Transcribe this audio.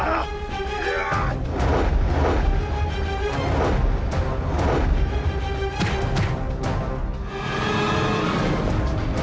kau juga tahu love saya